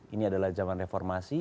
ini adalah zaman reformasi